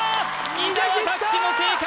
伊沢拓司も正解！